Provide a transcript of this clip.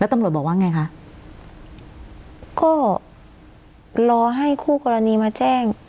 ตำรวจบอกว่าไงคะก็รอให้คู่กรณีมาแจ้ง